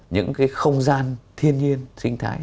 những cái không gian thiên nhiên sinh thái